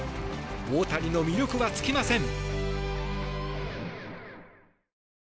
大谷の魅力は尽きません。